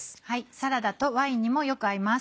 サラダとワインにもよく合います。